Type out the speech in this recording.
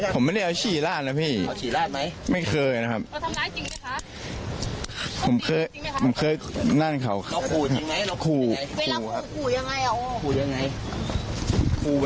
ผมไม่ได้เอาฉี่ราดนะพี่เอาฉี่ราดไหมไม่เคยนะครับ